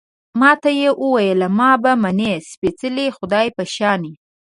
ما ته يې ویل، ما به منې، سپېڅلي خدای په شانې